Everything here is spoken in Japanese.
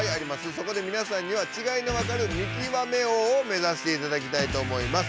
そこでみなさんにはちがいのわかる見極め王を目ざしていただきたいと思います。